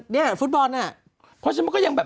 เมื่อกี๊ฟุตบอลนั่น